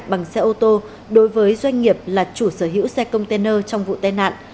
bằng xe ô tô đối với doanh nghiệp là chủ sở hữu xe container trong vụ tai nạn